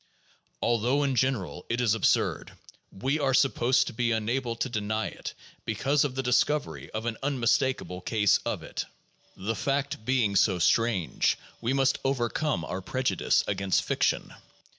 Al though in general it is absurd, we are supposed to be unable to deny it because of the discovery of an unmistakable case of it. The fact being so strange, we must overcome our prejudice against fiction.